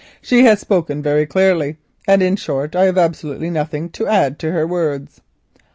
She has spoken very clearly indeed, and, in short, I have absolutely nothing to add to her words."